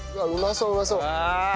そううまそう！